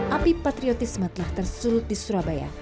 api patriotisme telah tersulut di surabaya